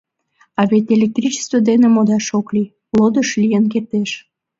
А вет электричество дене модаш ок лий, лодыш лийын кертеш.